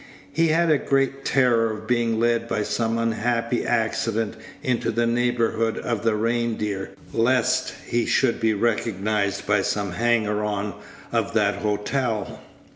He had a great terror of being led by some unhappy accident into the neighborhood of the "Reindeer," lest he should be recognized by some hanger on of that hotel.